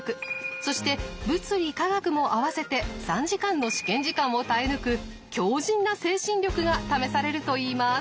そして物理化学も合わせて３時間の試験時間を耐え抜く強じんな精神力が試されるといいます。